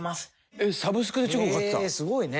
えーっすごいね。